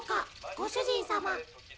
ご主人様。